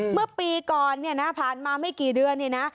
เมื่อปีก่อนเนี่ยนะผ่านมาไม่กี่เดือนเนี่ยนะ